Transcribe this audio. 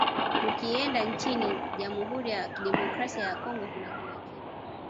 Tukienda nchini Jamhuri ya Kidemokrasia ya Congo kuna ziwa Kivu